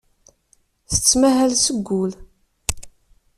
Tettmahal seg wul.